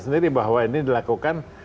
sendiri bahwa ini dilakukan